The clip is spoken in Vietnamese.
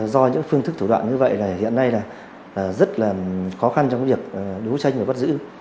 do những phương thức thủ đoạn như vậy hiện nay rất là khó khăn trong việc đối tranh và bắt giữ